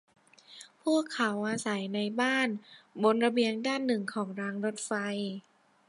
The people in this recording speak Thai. พวกเขาอาศัยอยู่ในบ้านบนระเบียงด้านหนึ่งของรางรถไฟ